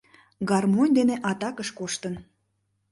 Гармонь дене атакыш коштын!